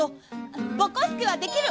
ぼこすけはできる！